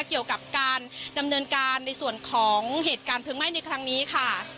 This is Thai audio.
เกี่ยวกับการดำเนินการในส่วนของเหตุการณ์เพลิงไหม้ในครั้งนี้ค่ะ